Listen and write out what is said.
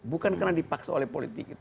bukan karena dipaksa oleh politik